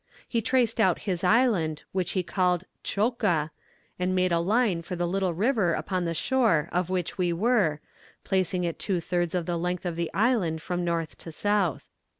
He traced out his island, which he called Tchoka, and made a line for the little river upon the shore of which we were placing it two thirds of the length of the island from north to south.